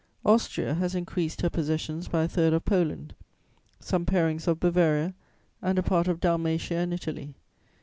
"Austria has increased her possessions by a third of Poland, some parings of Bavaria and a part of Dalmatia and Italy.